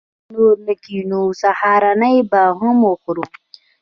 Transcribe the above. څنګه نور نه کېنو؟ سهارنۍ به هم وخورو.